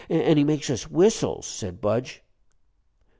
"An' he makes us whistles," said Budge.